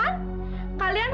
kalian harus berhenti